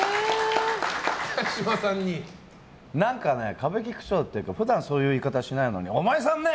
歌舞伎口調というか普段、そういう言い方しないのにお前さんねえ！